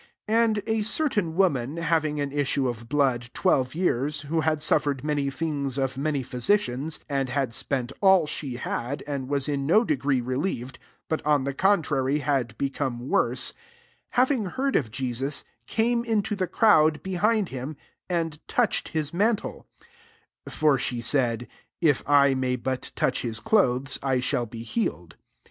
25 And a [certain] woman, having an issue of blood twelve years, 26 who had suffered many things of many physicians, and had spent all she had, and was in no degree relieved, but« on the contrary, had become worse, ^ having heard of Jesus, came in tlie crowd, behind hiniy and touched his mantle* 28 (For she saidy ^< If I may but touch his clothes, I shall be healed.")